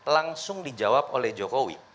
langsung dijawab oleh jokowi